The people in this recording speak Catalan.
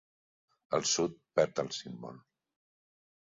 El sud perd el símbol.